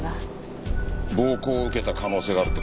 暴行を受けた可能性があるって事か？